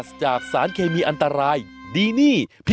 สวัสดีครับ